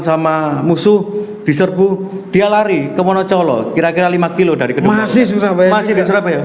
sama musuh diserbu dia lari ke monocolo kira kira lima kilo dari kemasin surabaya